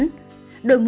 đội mũ lưỡi chai